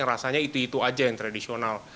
rasanya itu itu aja yang tradisional